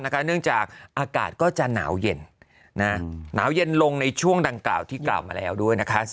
เนื่องจากอากาศก็จะหนาวเย็นหนาวเย็นลงในช่วงทั้งเกราะที่เก่ามาแล้ว